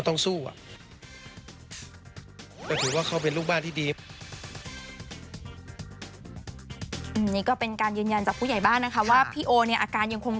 ส่งมาให้โอโนเฟอร์เรเวอร์